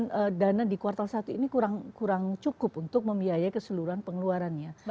dana di kuartal satu ini kurang cukup untuk membiayai keseluruhan pengeluarannya